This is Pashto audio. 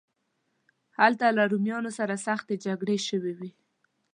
هلته له رومیانو سره سختې جګړې شوې وې.